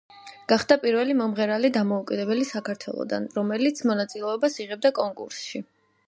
გახდა პირველი მომღერალი დამოუკიდებელი საქართველოდან, რომელიც მონაწილეობას იღებდა კონკურსში.